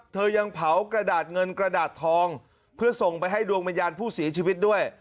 ยังเผากระดาษเงินกระดาษทองเพื่อส่งไปให้ดวงวิญญาณผู้เสียชีวิตด้วย